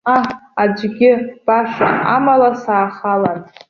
Ҟаҳ, аӡәгьы, баша амала саахалан.